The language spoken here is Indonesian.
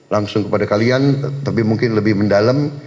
langsung kepada kalian tapi mungkin lebih mendalam